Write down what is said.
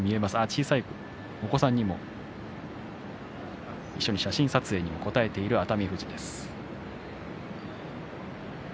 小さいお子さんにも一緒に写真撮影にも応えている熱海富士です。